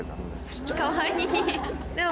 かわいい。